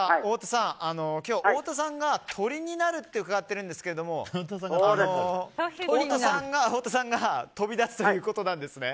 今日、太田さんが鳥になるって伺ってるんですけども太田さんが飛び立つということなんですね。